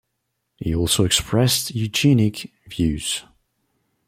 He also expressed eugenic views.